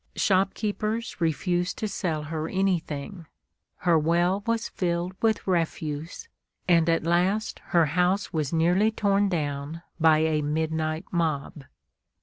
Shopkeepers refused to sell her anything; her well was filled with refuse, and at last her house was nearly torn down by a midnight mob.